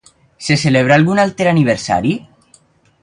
Se celebra algun altre aniversari?